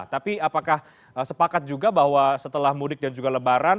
tapi apakah sepakat juga bahwa setelah mudik dan juga lebaran